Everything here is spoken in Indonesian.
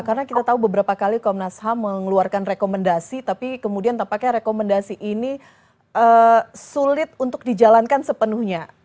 karena kita tahu beberapa kali komnas ham mengeluarkan rekomendasi tapi kemudian tampaknya rekomendasi ini sulit untuk dijalankan sepenuhnya